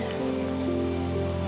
aku mau nyantai